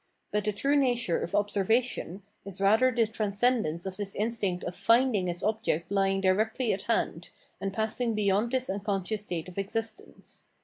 But the true nature of observa tion "" is rather the transcendence of this instinct of finding its object lying directly at hand, and passing beyond this unconscious state of existence.